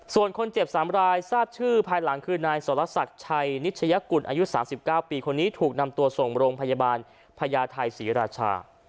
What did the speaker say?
ส่วนคนเจ็บ๓รายทราบชื่อภายหลังคือนายสรศักดิ์ชัยนิชยกุลอายุ๓๙ปีคนนี้ถูกนำตัวส่งโรงพยาบาลพญาไทยศรีราชา